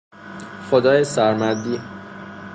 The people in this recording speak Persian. خدای سرمدی